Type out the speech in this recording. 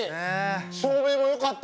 照明もよかった！